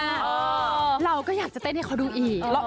กับเพลงที่มีชื่อว่ากี่รอบก็ได้